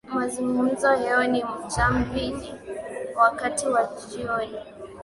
Mazungumzo yao ni Jamvini wakati wa jioni